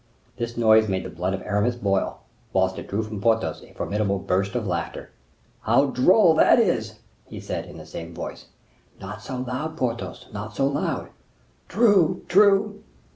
This noise made the blood of Aramis boil, whilst it drew from Porthos a formidable burst of laughter. "How droll that is!" said he, in the same voice. "Not so loud, Porthos, not so loud." "True, true!"